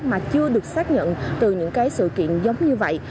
mà chưa được xác nhận từ những cái sự kiện giống như vậy